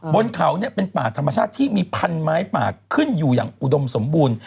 บนเขาเป็นป่าธรรมชาติที่มีพันไม้ป่าขึ้นอยู่อย่างอุดมสมบูรณ์